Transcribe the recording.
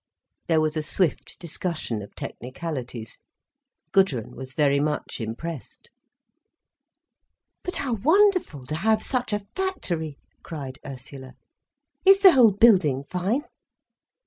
There was a swift discussion of technicalities. Gudrun was very much impressed. "But how wonderful, to have such a factory!" cried Ursula. "Is the whole building fine?"